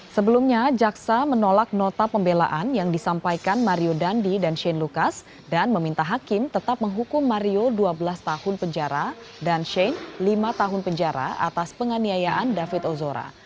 sebelumnya jaksa menolak nota pembelaan yang disampaikan mario dandi dan shane lucas dan meminta hakim tetap menghukum mario dua belas tahun penjara dan shane lima tahun penjara atas penganiayaan david ozora